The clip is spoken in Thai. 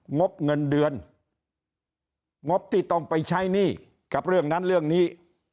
งบเงินเดือนงบที่ต้องไปใช้หนี้กับเรื่องนั้นเรื่องนี้